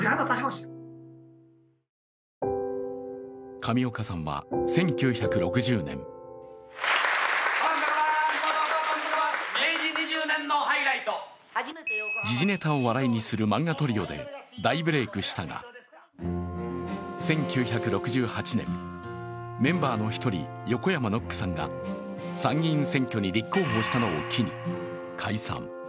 上岡さんは１９６０年時事ネタを笑いにする漫画トリオで大ブレークしたが１９６８年、メンバーの１人横山ノックさんが参議院選挙に立候補したのを機に解散。